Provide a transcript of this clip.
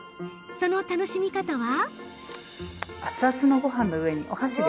その楽しみ方は。